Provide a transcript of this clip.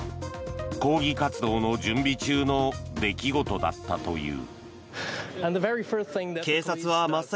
抗議活動の準備中の出来事だったという。